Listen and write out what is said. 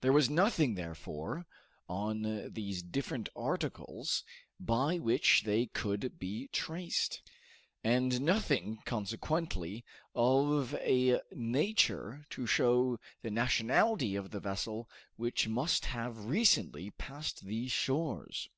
There was nothing, therefore, on these different articles by which they could be traced, and nothing consequently of a nature to show the nationality of the vessel which must have recently passed these shores.